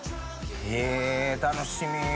へぇ楽しみ。